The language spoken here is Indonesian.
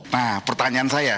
nah pertanyaan saya